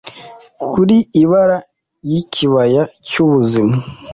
kuri ibara ryikibaya cyubuzima